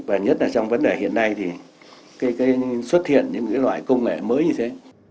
và nhất là trong vấn đề hiện nay thì xuất hiện những loại công nghệ mới như thế